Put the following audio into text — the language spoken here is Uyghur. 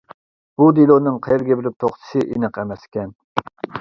بۇ دېلونىڭ قەيەرگە بېرىپ توختىشى ئېنىق ئەمەسكەن.